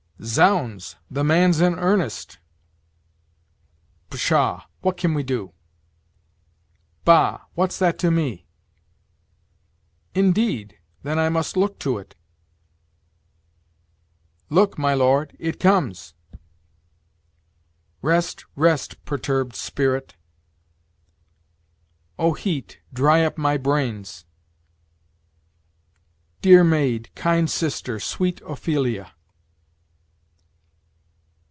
"Zounds! the man's in earnest." "Pshaw! what can we do?" "Bah! what's that to me?" "Indeed! then I must look to it." "Look, my lord, it comes!" "Rest, rest, perturbed spirit!" "O heat, dry up my brains!" "Dear maid, kind sister, sweet Ophelia!"